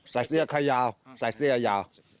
ใส่เสื้อขายาวใส่เสื้อยาว